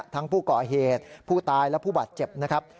ทั้งผู้ก่อเหตุผู้ตายและผู้บาดเจ็บนะครับ